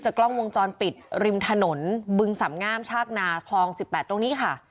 กล้องวงจรปิดริมถนนบึงสำงามชากนาคลอง๑๘ตรงนี้ค่ะ